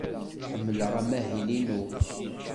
Ḥemmleɣ amahil-inu.